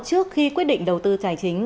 trước khi quyết định đầu tư trài chính